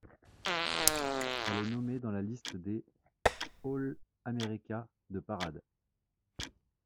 Elle est nommée dans la liste des All-America de Parade.